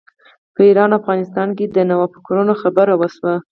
په ایران او افغانستان کې د نوفکرانو خبره وشوه.